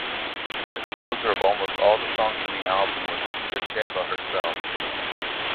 The composer of almost all the songs from the album was Pugacheva herself.